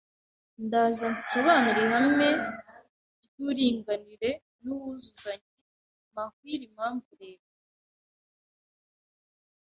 Ndanza nsoanure ihame ry’uuringanire n’uwuzuzanye mawire impamvu Leta